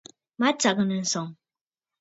Matsàgə̀ nɨ̀sɔ̀ŋ.